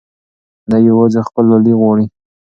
دی یوازې خپل لالی غواړي.